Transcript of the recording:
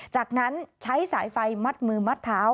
จากนั้นใช้สายไฟมัดมือมัดเท้า